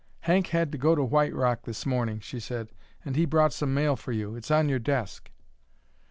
"Hank had to go to White Rock this morning," she said, "and he brought some mail for you. It's on your desk."